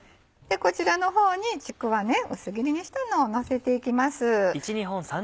こちらの方にちくわ薄切りにしたのをのせていきます。